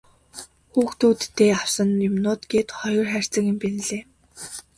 Хүүхдүүддээ авсан юмнууд гээд хоёр хайрцаг юм байнлээ.